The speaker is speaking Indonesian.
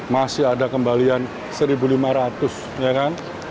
masih ada kembalian rp satu lima ratus